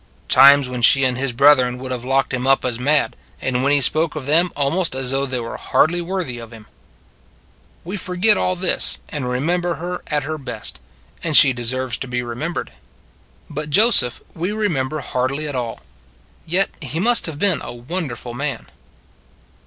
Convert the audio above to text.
Times when she and His brethren would have locked Him up as mad, and when He spoke of them almost as though they were hardly worthy of Him. We forget all this, and remember her at her best, and she deserves to be remem bered. 91 92 It s a Good Old World But Joseph we remember hardly at all. Yet he must have been a wonderful man.